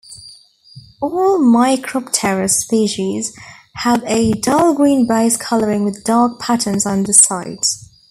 All "Micropterus" species have a dull-green base coloring with dark patterns on the sides.